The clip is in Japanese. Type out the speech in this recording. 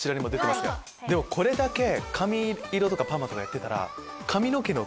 でもこれだけ髪色とかパーマとかやってたら。